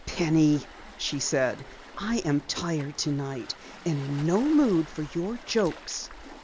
"Penny," she said, "I am tired tonight and in no mood for your jokes."